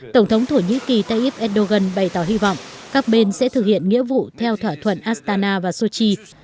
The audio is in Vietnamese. tổng thống thổ nhĩ kỳ tayyip erdogan bày tỏ hy vọng các bên sẽ thực hiện nghĩa vụ theo thỏa thuận astana và sochi